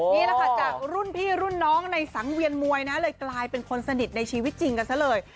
นี่แหละค่ะจากรุ่นพี่รุ่นน้องในสังเวียนมวยนะเลยกลายเป็นคนสนิทในชีวิตจริงกันซะเลย